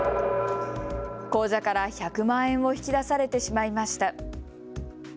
口座から１００万円を引き出されてしまいました。